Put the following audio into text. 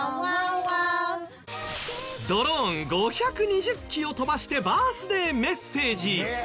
ドローン５２０機を飛ばしてバースデーメッセージ。